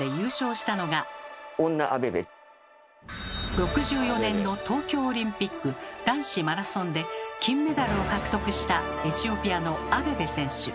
６４年の東京オリンピック男子マラソンで金メダルを獲得したエチオピアのアベベ選手。